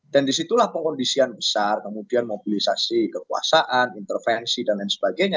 dan disitulah pengkondisian besar kemudian mobilisasi kekuasaan intervensi dan lain sebagainya